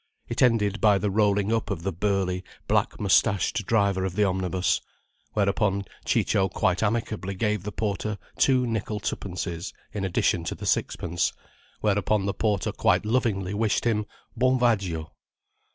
It ended by the rolling up of the burly, black moustached driver of the omnibus. Whereupon Ciccio quite amicably gave the porter two nickel twopences in addition to the sixpence, whereupon the porter quite lovingly wished him "buon' viaggio."